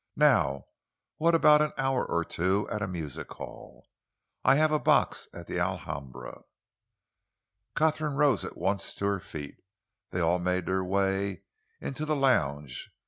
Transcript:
"Now what about an hour or two at a music hall? I have a box at the Alhambra." Katharine rose at once to her feet. They all made their way into the lounge.